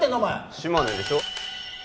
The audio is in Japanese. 島根でしょ？